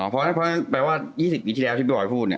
เพราะฉะนั้น๒๐ปีที่แล้วที่พี่บ่อยพูด